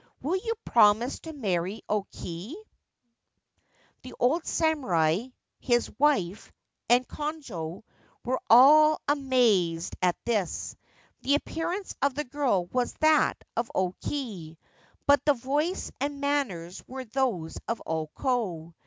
Will you promise to marry O Kei ?' The old samurai, his wife, and Konojo were all amazed at this. The appearance of the girl was that of O Kei ; but the voice and manners were those of O Ko.